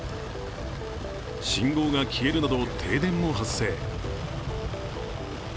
信号が消えるなど停電も発生。